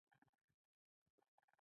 د پانګې راټولېدل د کارګرانو ژوند تریخوي